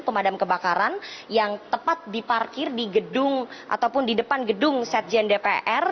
pemadam kebakaran yang tepat diparkir di gedung ataupun di depan gedung setjen dpr